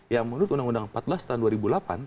ya menurut undang undang empat belas tahun dua ribu delapan